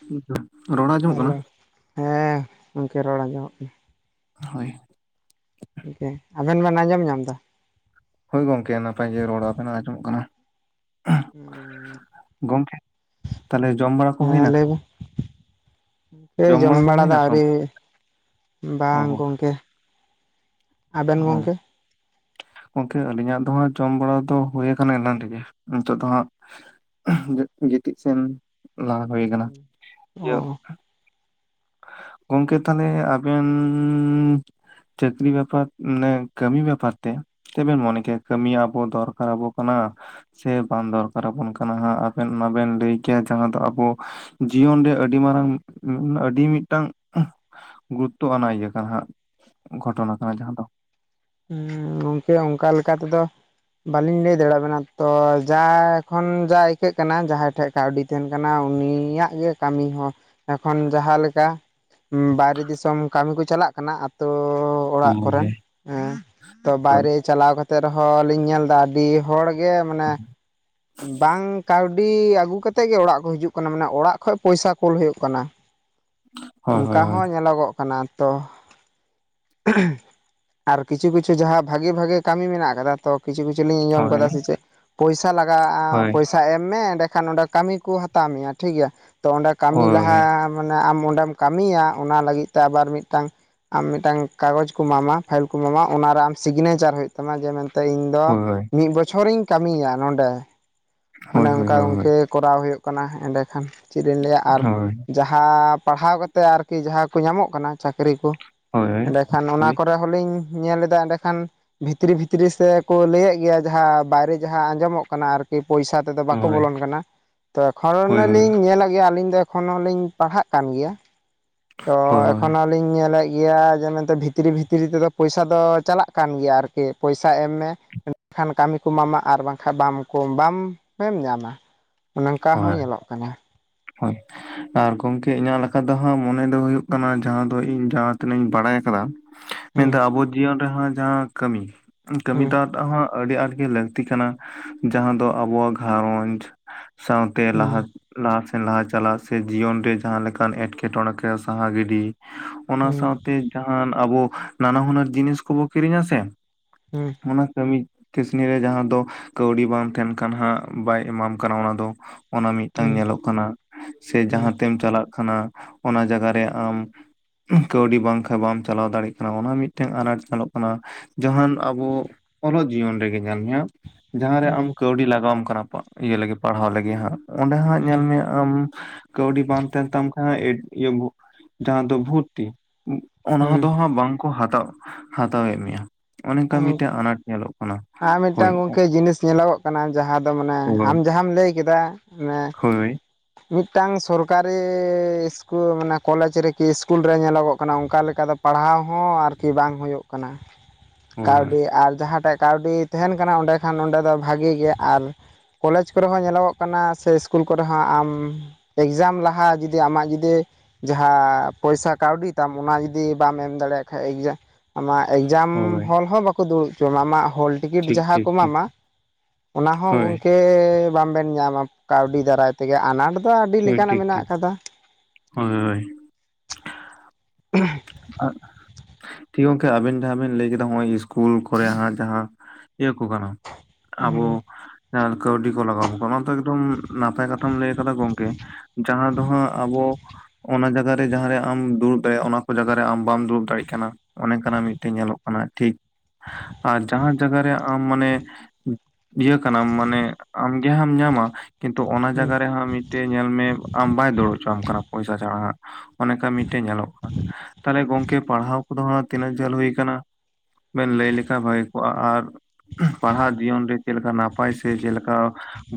ᱦ [unintelligible] ᱦᱮᱞᱳ, ᱦᱮᱸ ᱜᱚᱢᱠᱮ ᱨᱚᱲ ᱟᱸᱡᱚᱢᱚᱜ ᱠᱟᱱᱟ ᱦᱳᱭ ᱜᱚᱝᱠᱮ ᱟᱵᱮᱱ ᱵᱮᱱ ᱟᱸᱡᱚᱢ ᱧᱟᱢ ᱮᱫᱟ? ᱦᱳᱭ ᱜᱚᱝᱠᱮ ᱱᱟᱯᱟᱭ ᱜᱮ ᱨᱚᱲ ᱟᱵᱱᱟᱜ ᱟᱸᱡᱚᱢᱚᱜ ᱠᱟᱱᱟ ᱜᱚᱢᱠᱮ ᱛᱟᱦᱞᱮ ᱡᱚᱢ ᱵᱟᱲᱟ ᱦᱮᱸ ᱞᱟᱹᱭ ᱢᱮ ᱠᱮ ᱡᱚᱢ ᱵᱟᱲᱟ ᱠᱚ ᱵᱟᱲᱟᱫᱚ ᱦᱩᱭᱱᱟ ᱥᱮ ᱟᱹᱣᱨᱤ ᱦᱩᱭᱩᱜ- ᱟ, ᱚ ᱵᱟᱝ ᱜᱚᱝᱠᱮ ᱟᱵᱮᱱ ᱚ ᱜᱚᱝᱠᱮ? ᱜᱚᱝᱠᱮ ᱟᱹᱞᱤᱧᱟᱜ ᱫᱚ ᱦᱟᱸᱜ ᱡᱚᱢ ᱵᱟᱲᱟ ᱫᱚ ᱦᱩᱭ ᱟᱠᱟᱱᱟ ᱮᱞᱟᱱ ᱨᱮᱜᱮ ᱱᱤᱛᱚᱜ ᱫᱚ ᱦᱟᱸᱜ ᱜᱤᱛᱤᱡ ᱥᱮᱱ ᱞᱟᱦᱟ ᱦᱩᱭ ᱠᱟᱱᱟ ᱚ ᱤᱭ ᱜᱚᱢᱠᱮ ᱛᱟᱦᱞᱮ ᱟᱵᱮᱱᱼᱼ ᱪᱟᱹᱠᱨᱤ ᱵᱮᱯᱟᱨ ᱢᱟᱱᱮ ᱠᱟᱹᱢᱤ ᱵᱮᱯᱟᱨ ᱛᱮ ᱪᱮᱫ ᱵᱮᱱ ᱢᱚᱱᱮ ᱠᱮᱭᱟ? ᱠᱟᱹᱢᱤ ᱟᱵᱚ ᱫᱚᱨᱠᱟᱨ ᱟᱵᱚ ᱠᱟᱱᱟ? ᱪᱮ ᱵᱟᱝ ᱫᱚᱨᱠᱟᱨᱟᱵᱚᱱ ᱠᱟᱱᱟᱸ ᱡᱟ, ᱸ ᱜ ᱟᱵᱮᱱ ᱢᱟ ᱵᱮᱱ ᱞᱟᱹᱭ ᱠᱮᱫ ᱡᱟᱦᱟᱸ ᱫᱚ ᱟᱵᱚ ᱡᱤᱭᱚᱱ ᱨᱮ ᱟᱹᱰᱤ ᱢᱟᱨᱟᱝ ᱟᱹᱰᱤ ᱢᱤᱫᱴᱟᱝ ᱜᱩᱨᱩᱛᱚ ᱟᱱᱟᱜ ᱤᱭᱟᱹ ᱠᱟᱱᱟ ᱜᱷᱚᱴᱚᱱᱟ ᱠᱟᱱᱟ ᱡᱟᱦᱟᱸ ᱫᱚ ᱦᱮᱸ ᱜᱚᱝᱠᱮ ᱚᱱᱠᱟ ᱞᱮᱠᱟ ᱛᱮᱫᱚ ᱵᱟᱹᱞᱤᱧ ᱞᱟᱹᱭ ᱫᱟᱲᱮ ᱟᱵᱤᱱᱟ ᱛᱚ ᱡᱟ ᱠᱷᱚᱱ ᱡᱟ ᱟᱹᱭᱠᱟᱹᱜ ᱠᱟᱱᱟ ᱡᱟᱦᱟᱸᱭ ᱴᱷᱮᱡ ᱠᱟᱹᱣᱰᱤ ᱛᱟᱦᱮᱱ ᱠᱟᱱᱟ ᱩᱱᱤᱭᱟᱜ ᱜᱮ ᱠᱟᱹᱢᱤ ᱦᱚᱸ ᱮᱠᱷᱚᱱ ᱡᱟᱦᱟᱸ ᱞᱮᱠᱟ ᱵᱟᱭᱨᱮ ᱫᱤᱥᱚᱢ ᱠᱟᱹᱢᱤ ᱠᱚ ᱪᱟᱞᱟᱜ ᱠᱟᱱᱟ ᱟᱹᱛᱩ ᱚᱲᱟᱜ ᱠᱚᱨᱮᱱ ᱦᱳᱭ ᱛᱚ ᱦᱳᱭ ᱵᱟᱭᱨᱮ ᱪᱟᱞᱟᱣ ᱠᱟᱛᱮ ᱨᱮᱦᱚᱸ ᱞᱤᱧ ᱧᱮᱞᱫᱟ ᱟᱹᱰᱤ ᱦᱚᱲ ᱜᱮ ᱜᱮ ᱢᱟᱱᱮ ᱵᱟᱝ ᱠᱟᱹᱣ ᱟᱹᱰᱤ ᱟᱹᱜᱩ ᱠᱟᱛᱮᱫ ᱜᱮ ᱚᱲᱟᱜ ᱠᱚ ᱦᱤᱡᱩᱜ ᱠᱟᱱᱟ ᱢᱟᱱᱮ ᱚᱲᱟᱜ ᱠᱷᱚᱡ ᱯᱚᱭᱥᱟ ᱠᱳᱞ ᱦᱩᱭᱩᱜ ᱠᱟᱱᱟ ᱦᱳᱭ ᱚᱱᱠᱟ ᱦᱳᱭ ᱦᱳᱭ ᱦᱚᱸ ᱧᱮᱞᱚᱜᱚᱜ ᱠᱟᱱᱟ ᱛᱚ ᱟᱨ ᱠᱤᱪᱷᱩ ᱠᱤᱪᱷᱩ ᱡᱟᱦᱟᱸ ᱵᱷᱟᱜᱤ ᱵᱷᱟᱜᱤ ᱠᱟᱹᱢᱤ ᱢᱮᱱᱟᱜ ᱟᱠᱟ ᱠᱟᱫᱟ ᱛᱚ ᱠᱤᱪᱷᱩ ᱠᱤᱪᱷᱩ ᱞᱤᱧ ᱟᱸᱡᱚᱢ ᱠᱟᱫᱟ ᱦᱳᱭ ᱥᱮ ᱪᱮᱫ ᱯᱚᱭᱥᱟ ᱞᱟᱜᱟᱜᱼᱟ ᱦᱳᱭ ᱯᱚᱭᱥᱟ ᱮᱢ ᱢᱮ ᱮᱸᱰᱮ ᱠᱷᱟᱱ ᱚᱸᱰᱮ ᱠᱟᱹᱢᱤ ᱠᱚ ᱦᱟᱛᱟᱣ ᱢᱮᱭᱟ ᱴᱷᱤᱠ ᱜᱮᱭᱟ ᱛᱚ ᱚᱸᱰᱮ ᱠᱟᱹᱢᱤ ᱞᱟᱦᱟ ᱦᱳᱭ ᱢᱟᱱᱮ ᱟᱢ ᱚᱸᱰᱮᱢ ᱠᱟᱹᱢᱤᱭᱟ ᱚᱱᱟ ᱞᱟᱹᱜᱤᱫ ᱛᱮ ᱟᱨ ᱢᱤᱫᱴᱟᱝ ᱟᱢ ᱢᱤᱫᱴᱟᱝ ᱠᱟᱜᱚᱡᱽ ᱠᱚ ᱮᱢᱟᱢᱟ ᱯᱷᱟᱭᱤᱞ ᱠᱚ ᱮᱢᱟᱢᱟ ᱚᱱᱟᱨᱮ ᱟᱢ ᱥᱤᱜᱽᱱᱮᱪᱟᱨ ᱦᱩᱭᱩᱜ ᱛᱟᱢᱟ ᱡᱮ ᱢᱮᱱᱛᱮ ᱤᱧ ᱫᱚ ᱦᱳᱭ ᱢᱤᱫ ᱵᱚᱪᱷᱚᱨᱤᱧ ᱠᱟᱹᱢᱤᱭᱟ ᱱᱚᱰᱮ ᱚᱱᱮ ᱦᱳᱭ ᱦᱳᱭ ᱚᱱᱠᱟ ᱦᱳᱭ ᱜᱚᱸᱠᱮ ᱠᱚᱨᱟᱣ ᱦᱩᱭᱩᱜ ᱠᱟᱱᱟ ᱮᱸᱰᱮ ᱠᱷᱟᱱ ᱪᱮᱫ ᱤᱧ ᱞᱟᱹᱭᱟ ᱟᱨ ᱦᱳᱭ ᱡᱟᱦᱟᱸ ᱯᱟᱲᱦᱟᱣ ᱠᱟᱛᱮᱫ ᱟᱨᱠᱤ ᱡᱟᱦᱟᱸ ᱠᱚ ᱧᱟᱢᱚᱜ ᱠᱟᱱᱟ ᱪᱟᱹᱠᱨᱤ ᱠᱚ ᱦᱳᱭ ᱦᱳᱭ ᱮᱸᱰᱮ ᱠᱷᱟᱱ ᱚᱱᱟ ᱦᱳᱭ ᱠᱚᱨᱮ ᱦᱚᱞᱤᱧ ᱧᱮᱞ ᱮᱫᱟ ᱮᱸᱰᱮ ᱠᱷᱟᱱ ᱵᱷᱤᱛᱨᱤ ᱵᱷᱤᱛᱨᱤ ᱥᱮᱠᱚ ᱞᱟᱹᱭᱮᱫ ᱜᱮᱭᱟ ᱡᱟᱦᱟᱸ ᱵᱟᱭᱨᱮ ᱡᱟᱦᱟᱸ ᱟᱸᱡᱚᱢᱚᱜ ᱠᱟᱱᱟ ᱟᱨᱠᱤ ᱯᱚᱭᱥᱟ ᱫᱚ ᱵᱟᱠᱚ ᱵᱚᱞᱚᱱ ᱠᱟᱱᱟ ᱛᱚ ᱠᱷᱚᱱ ᱦᱳᱭ ᱞᱤᱧ ᱧᱮᱞᱮᱫ ᱜᱮᱭᱟ ᱟᱹᱞᱤᱧ ᱫᱚ ᱮᱠᱦᱚᱱ ᱦᱩᱞᱥᱧ ᱯᱟᱲᱟᱜ ᱠᱟᱱᱜᱮᱭᱟ ᱛᱚ ᱦᱳᱭ ᱦᱳᱭ ᱮᱠᱦᱚᱱ ᱧ ᱧᱮᱞᱮᱫ ᱜᱮᱭᱟ ᱡᱮ ᱢᱮᱱᱛᱮ ᱵᱷᱤᱛᱨᱤ ᱵᱷᱤᱛᱨᱤ ᱵᱷᱤᱛᱨᱤ ᱛᱮᱫᱚ ᱯᱚᱭᱥᱟ ᱫᱚ ᱪᱟᱞᱟᱜ ᱠᱟᱱ ᱜᱮᱭᱟ ᱟᱨᱠᱤ ᱯᱚᱭᱥᱟ ᱮᱢ ᱢᱮ ᱠᱷᱟᱱ ᱠᱟᱹᱢᱤ ᱠᱚ ᱮᱢᱟᱢᱟ ᱟᱨ ᱵᱟᱝᱠᱷᱟᱱ ᱵᱟᱢ ᱠᱚ ᱵᱟᱢ ᱮᱢ ᱧᱟᱢᱟ ᱚᱱᱮ ᱱᱚᱱᱠᱟ ᱦᱚᱸ ᱧᱮᱞᱚᱜ ᱠᱟᱱᱟ ᱦᱳᱭ ᱟᱨ ᱜᱚᱢᱠᱮ ᱤᱧᱟᱹᱜ ᱞᱮᱠᱟ ᱫᱚ ᱦᱟᱸᱜ ᱢᱚᱱᱮ ᱫᱚ ᱦᱩᱭᱩᱜ ᱠᱟᱱᱟ ᱡᱟᱦᱟᱸ ᱫᱚ ᱤᱧ ᱡᱟᱦᱟᱸ ᱛᱤᱱᱟᱹᱜ ᱤᱧ ᱵᱟᱲᱟᱭ ᱠᱟᱫᱟ ᱦᱩᱸ ᱢᱮᱱᱫᱟ ᱟᱵᱚ ᱡᱤᱭᱚᱱ ᱨᱮᱦᱚᱸ ᱡᱟᱦᱟᱸ ᱠᱟᱹᱢᱤ ᱠᱟᱹᱢᱤ ᱦᱩᱸ ᱫ ᱟᱜ ᱦᱚᱸ ᱟᱹᱰᱤ ᱟᱸᱴ ᱜᱮ ᱞᱟᱹᱠᱛᱤ ᱠᱟᱱᱟ ᱡᱟᱦᱟᱸ ᱫᱚ ᱟᱵᱚᱣᱟᱜ ᱜᱷᱟᱨᱚᱸᱡᱽ ᱥᱟᱶᱛᱮ ᱦᱩᱸ ᱞᱟᱦᱟ ᱞᱟᱦᱟ ᱥᱮᱱ ᱞᱟᱦᱟ ᱪᱟᱞᱟᱜ ᱥᱮ ᱡᱤᱭᱚᱱ ᱨᱮ ᱡᱟᱦᱟᱸ ᱞᱮᱠᱟᱱ ᱮᱸᱴᱠᱮᱴᱚᱬᱮ ᱥᱟᱦᱟ ᱜᱤᱰᱤ ᱚᱱᱟ ᱦᱩᱸ ᱥᱟᱶᱛᱮ ᱡᱟᱦᱟᱸᱟᱱ ᱟᱵᱚ ᱱᱟᱱᱟ ᱦᱩᱱᱟᱹᱨ ᱡᱤᱱᱤᱥ ᱠᱚᱵᱚ ᱠᱤᱨᱤᱧ ᱟᱥᱮ ᱦᱩᱸ ᱚᱱᱟ ᱠᱟᱹᱢᱤ ᱠᱟᱹᱥᱱᱤ ᱨᱮ ᱡᱟᱦᱟᱸ ᱫᱚ ᱠᱟᱹᱣᱰᱤ ᱵᱟᱝ ᱛᱟᱦᱮᱱ ᱠᱷᱟᱱ ᱦᱟᱸᱜ ᱵᱟᱭ ᱮᱢᱟᱢ ᱠᱟᱱᱟ ᱚᱱᱟ ᱫᱚ ᱚᱱᱟ ᱢᱤᱫᱴᱟᱝ ᱦᱩᱸ ᱧᱮᱞᱚᱜ ᱠᱟᱱᱟ ᱥᱮ ᱦᱩᱸ ᱡᱟᱸᱦᱟᱸ ᱛᱮᱢ ᱪᱟᱞᱟᱜ ᱠᱟᱱᱟ ᱚᱱᱟ ᱡᱟᱭᱜᱟ ᱨᱮ ᱟᱢ ᱠᱟᱹᱣᱰᱤ ᱵᱟᱝᱠᱟᱱ ᱵᱟᱢ ᱪᱟᱞᱟᱣ ᱫᱟᱲᱮᱭᱟᱜ ᱠᱟᱱᱟ ᱚᱱᱟ ᱢᱤᱫᱴᱮᱱ ᱟᱱᱟᱴ ᱧᱮᱞᱚᱜ ᱠᱟᱱᱟ ᱡᱟᱦᱟᱸᱱ ᱟᱵᱚ ᱚᱞᱚᱜ ᱡᱤᱭᱚᱱ ᱨᱮᱜᱮ ᱧᱮᱞ ᱢᱮᱭᱟ ᱡᱟᱦᱟᱸᱨᱮ ᱦᱩᱸ ᱟᱢ ᱠᱟᱹᱣᱰᱤ ᱞᱟᱜᱟᱣᱟᱢ ᱠᱟᱱᱟ ᱤᱭᱟᱹ ᱞᱟᱹᱜᱤᱫ ᱯᱟᱲᱦᱟᱣ ᱞᱟᱹᱜᱤᱫ ᱦᱟᱸᱜ ᱚᱸᱰᱮ ᱦᱟᱸᱜ ᱧᱮᱞ ᱦᱩᱸ ᱢᱮᱭᱟ ᱟᱢ ᱠᱟᱹᱣᱰᱤ ᱵᱟᱝ ᱛᱟᱦᱮᱱ ᱛᱟᱢ ᱠᱷᱟᱡᱽ [unintelligible] ᱡᱟᱦᱟᱸ ᱫᱚ ᱵᱷᱩᱨᱛᱤ ᱚᱱᱟ ᱦᱩᱸ ᱫᱚ ᱦᱟᱸᱜ ᱵᱟᱝᱠᱚ ᱦᱟᱛᱟᱣ ᱦᱟᱛᱟᱣᱮᱫ ᱢᱮᱭᱟ ᱚᱱᱮᱠᱚ ᱦᱩᱸ ᱢᱤᱫᱴᱟᱜ ᱟᱱᱟᱴ ᱧᱮᱞᱚᱜ ᱠᱟᱱᱟ ᱟᱨ ᱦᱳᱭ ᱢᱤᱫᱴᱟᱝ ᱜᱚᱢᱠᱮ ᱡᱤᱱᱤᱥ ᱧᱮᱞᱚᱜᱚᱜ ᱠᱟᱱᱟ ᱡᱟᱦᱟᱸ ᱫᱚ ᱢᱟᱱᱮ ᱦᱳᱭ ᱟᱢ ᱡᱟᱦᱟᱸᱢ ᱞᱟᱹᱭ ᱠᱮᱫᱟ ᱢᱮ ᱦᱳᱭ ᱢᱤᱫᱴᱟᱝ ᱥᱚᱨᱠᱟᱨᱤᱻ ᱥᱠᱩᱞ ᱢᱟᱱᱮ ᱠᱚᱞᱮᱡ ᱨᱮᱠᱤ ᱥᱠᱩᱞ ᱨᱮ ᱧᱮᱞᱚᱜᱚᱜ ᱠᱟᱱᱟ ᱚᱱᱠᱟ ᱞᱮᱠᱟ ᱫᱚ ᱯᱟᱲᱦᱟᱣ ᱦᱚᱸ ᱟᱨᱠᱤ ᱵᱟᱝ ᱦᱩᱭᱩᱜ ᱠᱟᱱᱟ ᱦᱳᱭ ᱠᱟᱹᱣᱰᱤ ᱟᱨ ᱡᱟᱦᱟᱸᱴᱟᱜ ᱠᱟᱹᱣᱰᱤ ᱛᱟᱦᱮᱱ ᱠᱟᱱᱟ ᱚᱸᱰᱮ ᱠᱷᱟᱱ ᱚᱸᱰᱮ ᱫᱚ ᱵᱷᱟᱜᱤ ᱜᱮ ᱟᱨ ᱠᱚᱞᱮᱡ ᱠᱚᱨᱮ ᱦᱚᱸ ᱧᱮᱞᱚᱜᱚᱜ ᱠᱟᱱᱟ ᱥᱮ ᱤᱥᱠᱩᱞ ᱠᱚᱨᱮ ᱦᱚᱸ ᱟᱢ ᱮᱠᱡᱟᱢ ᱞᱟᱦᱟ ᱡᱩᱫᱤ ᱟᱢᱟᱜ ᱡᱩᱫᱤ ᱡᱟᱦᱟᱸ ᱯᱚᱭᱥᱟ ᱠᱟᱹᱣᱰᱤ ᱛᱟᱢ ᱚᱱᱟ ᱡᱩᱫᱤ ᱵᱟᱢ ᱮᱢ ᱫᱟᱲᱮᱭᱟᱜ ᱠᱷᱟᱱ ᱮᱠᱡᱟᱢ ᱟᱢᱟᱜ ᱮᱠᱡᱟᱢ ᱦᱳᱭ ᱦᱚᱞ ᱦᱚᱸ ᱵᱟᱠᱚ ᱫᱩᱲᱩᱵ ᱦᱚᱪᱚᱣᱟᱢᱟ ᱟᱢᱟᱜ ᱦᱚᱞ ᱴᱤᱠᱤᱴ ᱴᱷᱤᱠ ᱡᱟᱦᱟᱸ ᱴᱷᱤᱠ ᱠᱚ ᱴᱷᱤᱠ ᱮᱢᱟᱢᱟ ᱚᱱᱟ ᱦᱚᱸ ᱦᱳᱭ ᱜᱚᱢᱠᱮ ᱵᱟᱢᱵᱱ ᱧᱟᱢᱟ ᱠᱟᱹᱣᱰᱤ ᱫᱟᱨᱟᱭ ᱛᱮᱜᱮ ᱟᱱᱟᱴ ᱫᱚ ᱟᱹᱰᱤ ᱦᱳᱭ ᱞᱮᱠᱟᱱᱟᱜ ᱴᱷᱤᱠ ᱢᱮᱱᱟᱜ ᱴᱷᱤᱠ ᱟᱠᱟᱫᱟ ᱦᱳᱭ [unintelligible] ᱦ [unintelligible] [unintelligible] ᱴᱷᱤᱠ ᱜᱚᱝᱠᱮ ᱟᱵᱤᱱ ᱡᱟᱦᱟ ᱵᱤᱱ ᱞᱟᱹᱭ ᱠᱮᱫᱟ ᱱᱚᱜᱚᱭ ᱤᱥᱠᱩᱞ ᱠᱚᱨᱮ ᱦᱟᱸᱜ ᱡᱟᱦᱟᱸ ᱤᱭᱟᱹ ᱠᱚ ᱠᱟᱱᱟ ᱟᱵᱚ [unintelligible] ᱠᱟᱹᱣᱰᱤ ᱠᱚ ᱞᱟᱜᱟᱣᱟᱢ ᱠᱟᱱᱟ ᱚᱱᱟ ᱫᱚ ᱮᱠᱫᱚᱢ ᱱᱟᱯᱟᱭ ᱠᱟᱛᱷᱟᱢ ᱞᱟᱹᱭ ᱟᱠᱟᱫᱟ ᱜᱚᱝᱠᱮ ᱾ ᱡᱟᱦᱟᱸ ᱫᱚᱦᱟᱸᱜ ᱟᱵᱚ ᱚᱱᱟ ᱡᱟᱭᱜᱟᱨᱮ ᱡᱟᱦᱟᱸᱨᱮ ᱟᱢ ᱫᱩᱲᱩᱵ ᱫᱟᱲᱮᱭᱟᱜᱼᱟ ᱚᱱᱟ ᱚ ᱠᱚ ᱡᱟᱭᱜᱟ ᱨᱮ ᱟᱢ ᱵᱟᱢ ᱫᱩᱲᱩᱵ ᱫᱟᱲᱮᱭᱟᱜ ᱠᱟᱱᱟ ᱚᱱᱮᱠᱟᱱᱟᱜ ᱢᱤᱫᱴᱮᱡ ᱧᱮᱞᱚᱜ ᱠᱟᱱᱟ ᱴᱷᱤᱠ ᱟᱨ ᱡᱟᱦᱟᱸ ᱡᱟᱭᱜᱟ ᱨᱮ ᱟᱢ ᱢᱟᱱᱮ ᱤᱭᱟᱹ ᱠᱟᱱᱟᱢ ᱢᱟᱱᱮ ᱟᱢᱜᱮ ᱦᱟᱢ ᱧᱟᱢᱟ ᱠᱤᱱᱛᱩ ᱚᱱᱟ ᱡᱟᱭᱜᱟ ᱨᱮ ᱦᱟᱸ ᱢᱤᱫᱴᱮᱱ ᱧᱮᱞ ᱢᱮ ᱟᱢ ᱵᱟᱭ ᱫᱲᱟᱹᱲ ᱦᱚᱪᱣᱟᱢ ᱠᱟᱱᱟ ᱯᱚᱭᱥᱟ ᱪᱷᱟᱲᱟᱜ ᱚᱱᱮᱠᱟ ᱢᱤᱫᱴᱮᱱ ᱧᱮᱞᱚᱜ ᱠᱟᱱᱟ ᱾ ᱛᱟᱦᱚᱞᱮ ᱜᱚᱝᱠᱮ ᱯᱟᱲᱦᱟᱣ ᱩᱱᱠᱩ ᱫᱚ ᱛᱤᱱᱟᱹᱜ ᱡᱷᱟᱹᱞ ᱦᱩᱭᱩᱭᱟ ᱟᱠᱟᱱᱟ ᱵᱮᱱ ᱞᱟᱹᱭ ᱞᱮᱠᱷᱟᱱ ᱵᱷᱟᱹᱜᱤ ᱠᱚᱜᱼᱟ ᱟᱨ ᱯᱟᱲᱦᱟᱜ ᱡᱤᱭᱚᱱ ᱨᱮ ᱪᱮᱫ ᱞᱮᱠᱟ ᱱᱟᱯᱟᱭ ᱥᱮ ᱪᱮᱫᱮᱠᱟ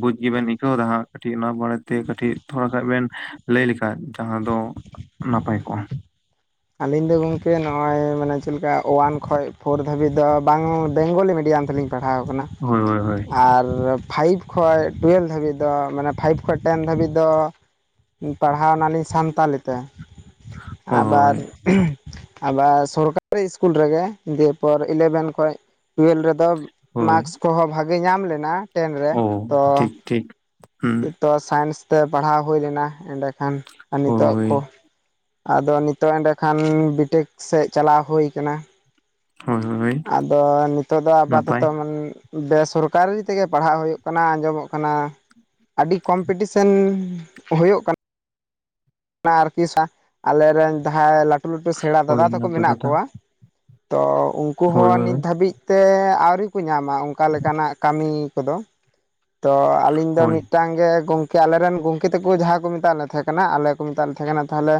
ᱵᱩᱡ ᱜᱮᱵᱮᱱ ᱟᱹᱭᱠᱟᱹᱣ ᱮᱫᱟ ᱦᱟᱸᱜ ᱠᱟᱹᱴᱤᱡ ᱚᱱᱟ ᱵᱟᱨᱮᱛᱮ ᱠᱟᱹᱴᱤᱡ ᱛᱷᱚᱲᱟ ᱠᱷᱟᱱ ᱵᱮᱱ ᱞᱟᱹᱭ ᱞᱮᱠᱷᱟᱱ? ᱡᱟᱦᱟᱸ ᱫᱚ ᱱᱟᱯᱟᱭ ᱠᱚᱜ-ᱟ ᱟᱹᱞᱤᱧ ᱫᱚ ᱜᱚᱢᱠᱮ ᱱᱚᱜᱼᱚᱭ ᱢᱟᱱᱮ ᱪᱮᱫ ᱟᱞᱤᱧ ᱫᱚ ᱜᱟᱝᱠᱮ ᱪᱮᱫᱞᱮᱠᱟ ᱳᱭᱟᱱ ᱠᱷᱚᱡ ᱯᱷᱳᱨ ᱫᱷᱟᱹᱵᱤᱡ ᱫᱚ ᱵᱟᱝ ᱵᱮᱝᱜᱚᱞᱤ ᱢᱤᱰᱤᱭᱟᱢ ᱛᱞᱤᱧ ᱯᱟᱲᱦᱟᱣ ᱟᱠᱟᱱᱟ ᱦᱳᱭ ᱦᱳᱭ ᱦᱳᱭ ᱟᱨ ᱯᱷᱟᱭᱤᱵᱽ ᱠᱷᱚᱡ ᱴᱩᱭᱮᱞᱵᱽ ᱫᱷᱟᱹᱵᱤᱡ ᱫᱚ ᱢᱟᱱᱮ ᱯᱷᱟᱭᱤᱵᱽ ᱠᱷᱚᱡ ᱴᱮᱱ ᱫᱷᱟᱹᱵᱤᱡ ᱫᱚ ᱯᱟᱲᱦᱟᱣ ᱮᱱᱟᱞᱤᱧ ᱥᱟᱱᱛᱟᱞᱤ ᱛᱮ ᱟᱵᱟᱨ ᱦᱳᱭ ᱟᱵᱟᱨ ᱥᱚᱨᱠᱟᱨᱤ ᱥᱠᱩᱞ ᱨᱮᱜᱮ ᱫᱤᱭᱯᱚᱨ ᱤᱞᱮᱵᱷᱮᱱ ᱠᱷᱚᱱ ᱴᱩᱭᱮᱞᱵᱷ ᱨᱮᱫᱚ ᱛᱫᱚ ᱦᱳᱭ ᱢᱟᱠᱥ ᱠᱚᱦᱚᱸ ᱵᱷᱟᱜᱮ ᱧᱟᱢ ᱞᱮᱱᱟ ᱴᱮᱱ ᱨᱮ ᱳ ᱛᱚ ᱴᱷᱤᱠ ᱴᱷᱤᱠ ᱦᱩᱸ ᱛᱚ ᱥᱟᱭᱮᱱᱥ ᱛᱮ ᱯᱟᱲᱦᱟᱣ ᱦᱩᱭ ᱞᱮᱱᱟ ᱮᱸᱰᱮᱠᱷᱟᱱ ᱟᱨ ᱱᱤᱛᱚᱜ ᱦᱳᱭ ᱠᱚ ᱟᱫᱚ ᱱᱤᱛᱚᱜ ᱮᱸᱰᱮᱠᱷᱟᱱ ᱵᱤᱴᱮᱠ ᱥᱮᱫ ᱪᱟᱞᱟᱣ ᱦᱩᱭ ᱟᱠᱟᱱᱟ ᱾ ᱦᱳᱭ ᱦᱳᱭ ᱟᱫᱚ ᱱᱤᱛᱚᱜ ᱫᱚ ᱱᱟᱯᱟᱭ ᱟᱯᱟᱛᱚ-ᱛᱚ ᱚᱱ ᱵᱮᱥᱚᱨᱠᱟᱨᱤ ᱛᱮᱜᱮ ᱯᱟᱲᱦᱟᱜ ᱦᱩᱭᱩᱜ ᱠᱟᱱᱟ ᱟᱸᱡᱚᱢᱚᱜ ᱠᱟᱱᱟ ᱟᱹᱰᱤ ᱠᱚᱢᱯᱤᱴᱤᱥᱮᱱ ᱦᱩᱭᱟᱹᱜ ᱠᱟᱱᱟ᱾ ᱟᱨᱠᱤ ᱟᱞᱮ ᱨᱮᱱ ᱡᱟᱦᱟᱸᱭ ᱞᱟᱹᱴᱩ ᱞᱟᱹᱴᱩ ᱥᱮᱬᱟ ᱦᱳᱭ ᱫᱟᱼᱫᱟ ᱛᱟᱠᱚ ᱱᱟᱯᱟᱭ ᱢᱮᱱᱟᱜ ᱠᱟᱛᱷᱟ ᱠᱚᱣᱟ ᱛᱚ ᱩᱱᱠᱩ ᱦᱳᱭ ᱦᱚᱸ ᱱᱤᱛ ᱦᱳᱭ ᱫᱷᱟᱹᱵᱤᱡ ᱛᱮ ᱟᱹᱣᱨᱤ ᱠᱚ ᱧᱟᱢᱟ ᱚᱱᱠᱟ ᱞᱮᱠᱟᱱᱟᱜ ᱠᱟᱹᱢᱤ ᱠᱚᱫᱚ ᱾ ᱛᱚ ᱟᱞᱤᱧ ᱫᱚ ᱦᱳᱭ ᱢᱤᱫᱴᱟᱝ ᱜᱮ ᱜᱚᱢᱠᱮ ᱟᱞᱮᱨᱮᱱ ᱜᱚᱢᱠᱮ ᱛᱟᱠᱚ ᱡᱟᱦᱟᱸ ᱠᱚ ᱢᱮᱛᱟᱜ ᱞᱮ ᱛᱟᱦᱮᱸ ᱠᱟᱱᱟ ᱟᱞᱮ ᱛᱟᱦᱮᱱᱟ ᱛᱟᱦᱮ